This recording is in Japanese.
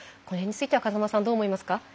これについては風間さんどう思いますか。